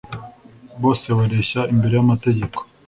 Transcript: bose bareshya imbere y'amategeko